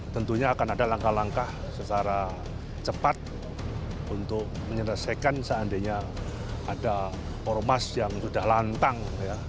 tentunya akan ada langkah langkah secara cepat untuk menyelesaikan seandainya ada ormas yang sudah lantang